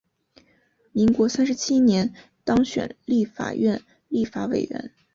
民国三十七年当选立法院立法委员。